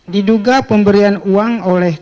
diduga pemberian uang